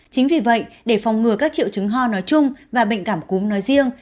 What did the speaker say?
chính vì vậy để phòng ngừa các triệu chứng ho nói chung và bệnh cảm cúm nói riêng